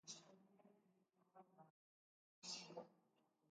Erabakia, hala ere, aztertzen ari dira oraindik.